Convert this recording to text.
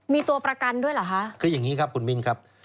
มีตัวประกันด้วยเหรอคะคืออย่างนี้ครับคุณมินครับ